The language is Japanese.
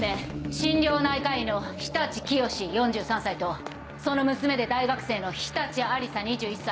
心療内科医の常陸潔４３歳とその娘で大学生の常陸亜理紗２１歳。